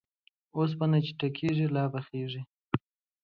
اوسپنه چې ټکېږي ، لا پخېږي.